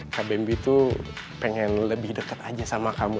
kbmb tuh pengen lebih deket aja sama kamu